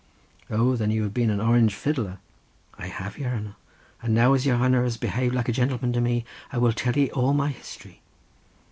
"O then you have been an Orange fiddler?" "I have, your hanner. And now as your hanner has behaved like a gentleman to me I will tell ye all my history.